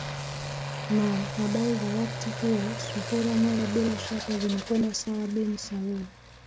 naam habari za wakti huu suhura mwera bila shaka zimekwenda sawa bin sawia